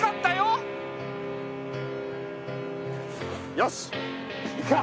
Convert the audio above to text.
よし行くか。